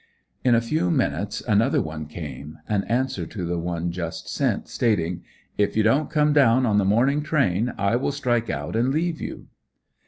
In a few minutes another one came, an answer to the one just sent, stating: "If you don't come down on the morning train I will strike out and leave you."